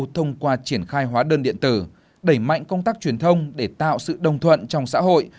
thông qua triển khai hóa đơn điện tử đẩy mạnh công tác truyền thông để tạo sự đồng thuận trong xã hội